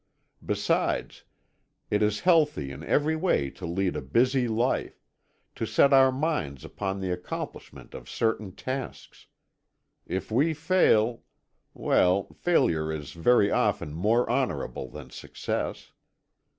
Besides, it is healthy in every way to lead a busy life, to set our minds upon the accomplishment of certain tasks. If we fail well, failure is very often more honourable than success.